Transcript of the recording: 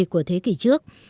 của thế kỷ trước